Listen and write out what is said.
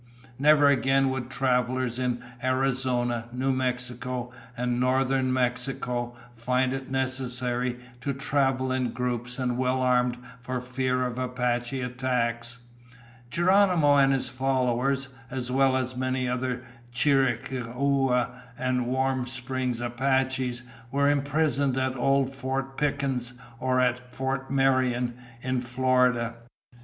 Never again would travelers in Arizona, New Mexico, and northern Mexico find it necessary to travel in groups and well armed for fear of Apache attacks. Geronimo and his followers, as well as many other Chiricahua and Warm Springs Apaches, were imprisoned at old Fort Pickens, or at Fort Marion, in Florida.